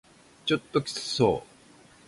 ちょっときつそう